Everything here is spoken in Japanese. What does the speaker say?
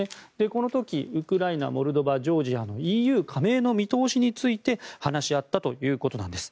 この時、ウクライナ、モルドバジョージアのＥＵ加盟の見通しについて話し合ったということです。